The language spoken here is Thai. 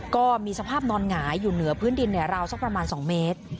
ก็มีสภาพนอนหงายอยู่เหนือพื้นดินราวสักประมาณ๒เมตร